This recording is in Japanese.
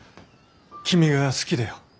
君が好きだよ。